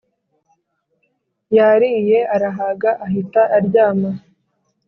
yariye arahaga ahita aryama